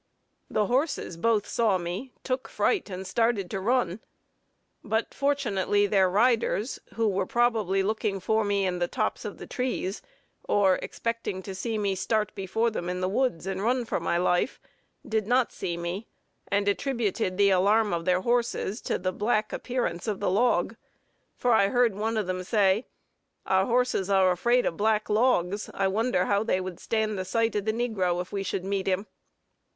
The horses both saw me, took fright, and started to run; but fortunately their riders, who were probably looking for me in the tops of the trees, or expecting to see me start before them in the woods, and run for my life, did not see me, and attributed the alarm of their horses to the black appearance of the log, for I heard one of them say "Our horses are afraid of black logs: I wonder how they would stand the sight of the negro if we should meet him."